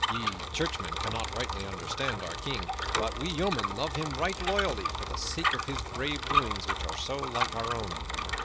Ye churchmen cannot rightly understand our King; but we yeomen love him right loyally for the sake of his brave doings which are so like our own."